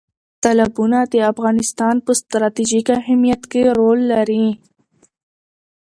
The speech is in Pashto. تالابونه د افغانستان په ستراتیژیک اهمیت کې رول لري.